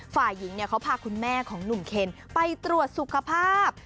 ฝ่ายหญิงเขาพาคุณแม่ของหนุ่มเคนไปตรวจสุขภาพ